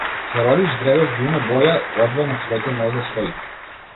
Се роди ждребе вино-боја, одвај на своите нозе стои.